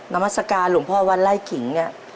นามสการหลวงพ่อวัดไร่ขิงเนี่ย